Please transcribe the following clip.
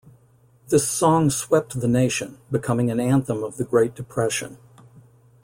This song swept the nation, becoming an anthem of the Great Depression.